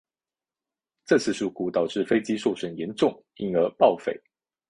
这次事故导致飞机受损严重因而报废。